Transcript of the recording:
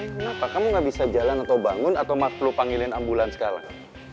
kenapa kamu gak bisa jalan atau bangun atau maklu panggilin ambulans sekarang